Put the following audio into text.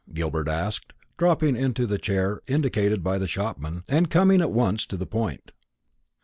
Gilbert asked, dropping into the chair indicated by the shopman, and coming at once to the point.